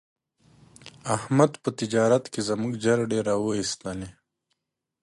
احمد په تجارت کې زموږ جرړې را و ایستلې.